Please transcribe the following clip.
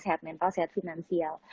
sehat mental sehat finansial